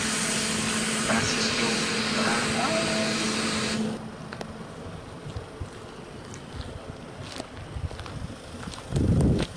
Francisco Eugenio Bustamante.